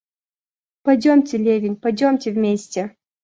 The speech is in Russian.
Пойдемте, Левин, пойдем вместе!